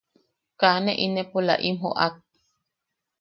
Kaa ne inepola im joʼak.